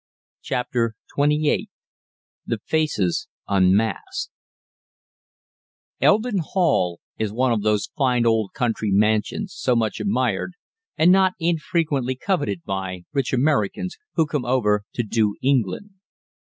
CHAPTER XXVIII THE FACES UNMASKED Eldon Hall is one of those fine old country mansions so much admired, and not infrequently coveted by, rich Americans who come over to "do England."